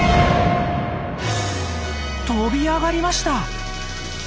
跳び上がりました！